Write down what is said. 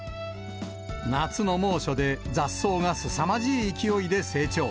夏の猛暑で、雑草がすさまじい勢いで成長。